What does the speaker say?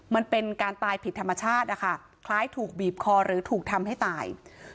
มันเป็นการตายผิดธรรมชาตินะคะคล้ายถูกบีบคอหรือถูกทำให้ตาย